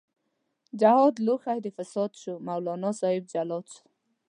جهاد لوښی د فساد شو، مولانا صاحب جلاد شو